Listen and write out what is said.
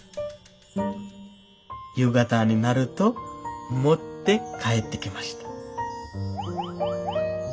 「夕方になると持って帰ってきました」。